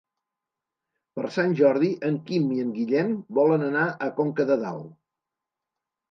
Per Sant Jordi en Quim i en Guillem volen anar a Conca de Dalt.